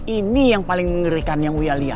ini yang paling mengerikan yang gue liat